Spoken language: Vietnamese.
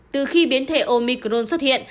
từ khi biến thể omicron xuất hiện